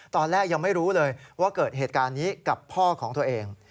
ตอนแรกยังไม่รู้เลยว่าเกิดเหตุการณ์นี้กับพ่อของตัวเอง